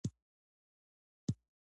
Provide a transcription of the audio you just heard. هوښیاري ښه ده.